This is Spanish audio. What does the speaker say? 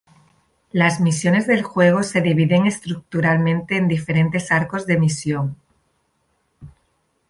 Las misiones del juego se dividen estructuralmente en diferentes arcos de misión.